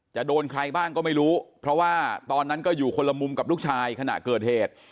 โดนใครบ้างก็ไม่รู้เพราะว่าตอนนั้นก็อยู่คนละมุมกับลูกชายขณะเกิดเหตุ